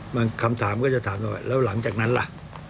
มันคำถามก็จะถามหลังจากนั้นล่ะ